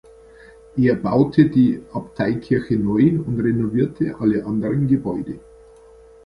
Er baute die Abteikirche neu und renovierte alle anderen Gebäude.